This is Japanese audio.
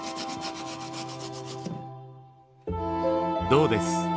どうです？